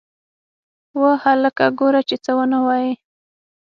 وه هلکه گوره چې څه ونه وايې.